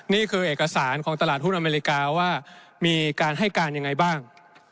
นี่คือเอกสารของตลาดหุ้นอเมริกาว่ามีการให้การยังไงบ้าง